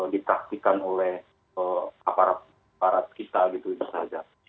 ditraktikan oleh aparat aparat kita gitu saja